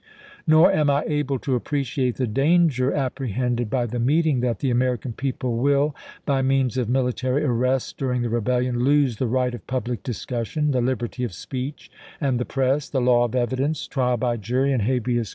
Nor am I able to appreciate the danger appre hended by the meeting that the American people will, by means of military arrests during the rebellion, lose the right of public discussion, the liberty of speech and the press, the law of evidence, trial by jury, and habeas 348 ABKAHAM LINCOLN chap. xii.